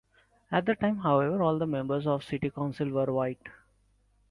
At the time, however, all members of the city council were white.